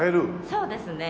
そうですね。